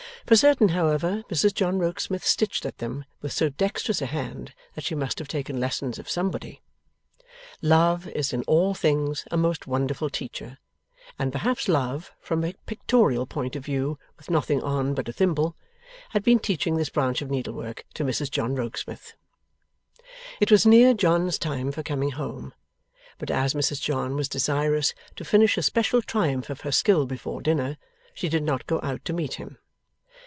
For certain, however, Mrs John Rokesmith stitched at them with so dexterous a hand, that she must have taken lessons of somebody. Love is in all things a most wonderful teacher, and perhaps love (from a pictorial point of view, with nothing on but a thimble), had been teaching this branch of needlework to Mrs John Rokesmith. It was near John's time for coming home, but as Mrs John was desirous to finish a special triumph of her skill before dinner, she did not go out to meet him.